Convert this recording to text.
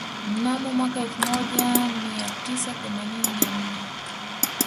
Mnamo mwaka elfu moja mia tisa themanini na nne